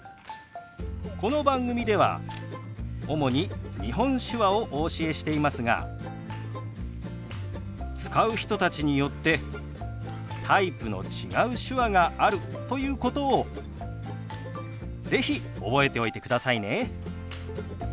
この番組では主に日本手話をお教えしていますが使う人たちによってタイプの違う手話があるということを是非覚えておいてくださいね。